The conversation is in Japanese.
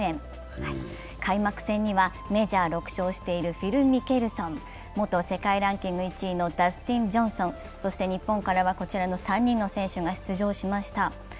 開幕戦にはメジャー６勝しているフィル・ミケルソン、元世界ランキング１位のダテスィン・ジョンソン、日本からはこちらの３人の選手が出場しました。